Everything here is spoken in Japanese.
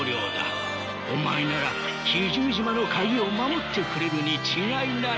お前なら奇獣島の鍵を守ってくれるに違いない。